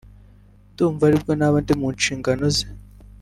ndumva ari bwo naba ndi mu nshingano ze